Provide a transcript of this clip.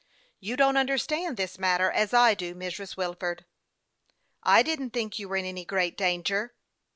You don't understand this matter as I do, Mrs. Wilford." " I didn't think you were in any great danger."